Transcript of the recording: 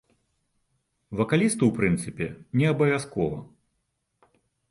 Вакалісту, у прынцыпе, неабавязкова.